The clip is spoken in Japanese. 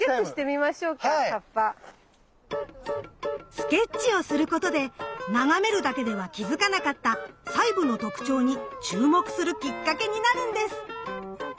スケッチをすることで眺めるだけでは気付かなかった細部の特徴に注目するきっかけになるんです。